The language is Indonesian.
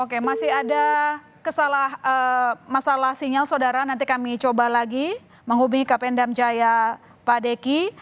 oke masih ada masalah sinyal saudara nanti kami coba lagi menghubungi kapendam jaya pak deki